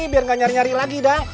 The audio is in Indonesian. biar gak nyari nyari lagi dong